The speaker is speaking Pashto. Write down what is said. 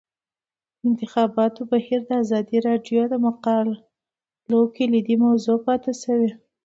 د انتخاباتو بهیر د ازادي راډیو د مقالو کلیدي موضوع پاتې شوی.